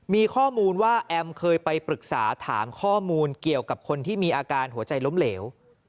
มีข้อมูลว่าแอมเคยไปปรึกษาถามข้อมูลเกี่ยวกับคนที่มีอาการหัวใจล้มเหลว